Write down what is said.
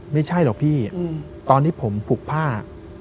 ไม่ใช่หรอกพี่ตอนนี้ผมผูกผ้า